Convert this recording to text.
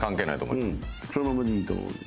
うんそのままでいいと思う。